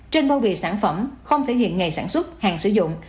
trên bao bì sản phẩm không thể hiện ngày sản xuất hàng sử dụng